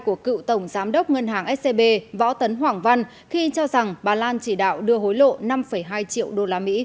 của cựu tổng giám đốc ngân hàng scb võ tấn hoàng văn khi cho rằng bà lan chỉ đạo đưa hối lộ năm hai triệu usd